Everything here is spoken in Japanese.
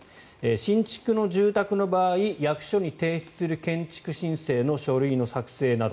新築の住宅の場合役所に提出する建設申請の書類の作成など。